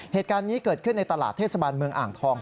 เหตุการณ์นี้เกิดขึ้นในตลาดเทศบาลเมืองอ่างทอง